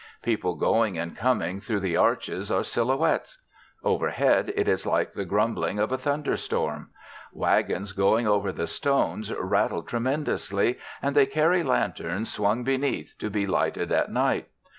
People going and coming through the arches are silhouettes. Overhead it is like the grumbling of a thunder storm. Wagons going over the stones rattle tremendously, and they carry lanterns swung beneath to be lighted at night.